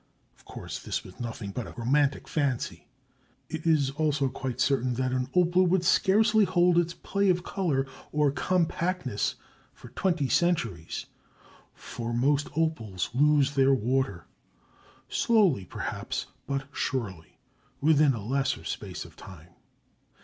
Of course this was nothing but a romantic fancy. It is also quite certain that an opal would scarcely hold its play of color or compactness for twenty centuries, for most opals lose their water—slowly perhaps, but surely—within a lesser space of time.